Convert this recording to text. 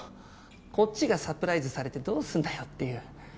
こっちがサプライズされてどうすんだよっていう。